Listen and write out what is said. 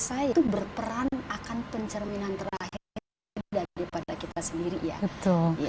saya itu berperan akan pencerminan terakhir daripada kita sendiri ya betul